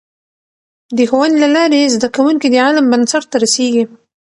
د ښوونې له لارې، زده کوونکي د علم بنسټ ته رسېږي.